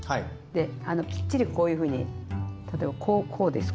できっちりこういうふうに例えばこうです